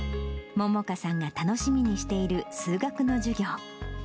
萌々華さんが楽しみにしている数学の授業。